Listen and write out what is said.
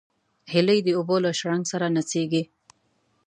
هیلۍ د اوبو له شرنګ سره نڅېږي